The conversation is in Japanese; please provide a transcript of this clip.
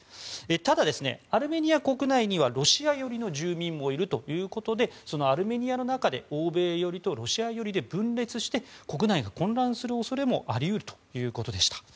ただ、アルメニア国内にはロシア寄りの住民もいるということでそのアルメニアの中で欧米寄りとロシア寄りで分裂して国内が混乱する恐れもあり得るということでした。